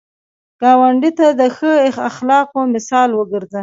ګاونډي ته د ښه اخلاقو مثال وګرځه